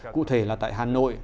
cụ thể là tại hà nội